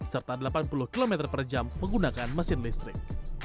serta delapan puluh km per jam menggunakan mesin listrik